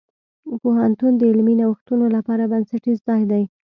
پوهنتون د علمي نوښتونو لپاره بنسټیز ځای دی.